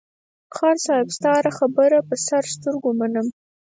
خان صاحب ستا هره خبره په سر سترگو منم.